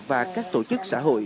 và các tổ chức xã hội